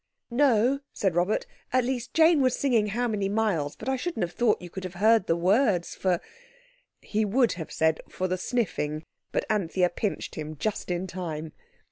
"No," said Robert, "at least Jane was singing 'How many miles,' but I shouldn't have thought you could have heard the words for—" He would have said, "for the sniffing," but Anthea pinched him just in time.